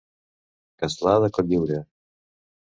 Castlà de Cotlliure.